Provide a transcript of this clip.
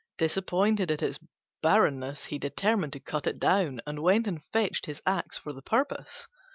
Disappointed at its barrenness he determined to cut it down, and went and fetched his axe for the purpose.